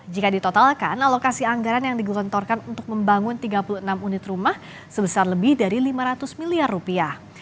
jika ditotalkan alokasi anggaran yang digelontorkan untuk membangun tiga puluh enam unit rumah sebesar lebih dari lima ratus miliar rupiah